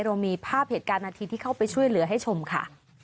เรามีภาพเหตุการณ์นาทีที่เข้าไปช่วยเหลือให้ชมค่ะ